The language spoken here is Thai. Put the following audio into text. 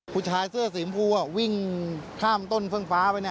ผู้ชายเสื้อสีชมพูวิ่งข้ามต้นเฟิ่งฟ้าไป